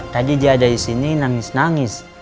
tadi dia ada di sini nangis nangis